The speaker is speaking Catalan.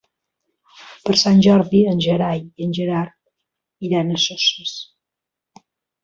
Per Sant Jordi en Gerai i en Gerard iran a Soses.